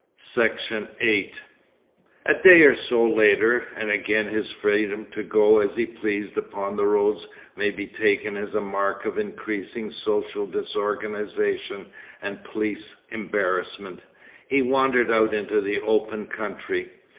Section 8 A day or so later—and again his freedom to go as he pleased upon the roads may be taken as a mark of increasing social disorganisation and police embarrassment—he wandered out into the open country.